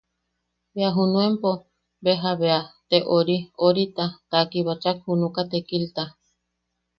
Bwe junuenpo, beja bea te ori orita, ta kibachak junuka tekilta.